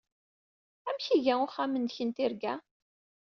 Amek ay iga uxxam-nnek n tirga?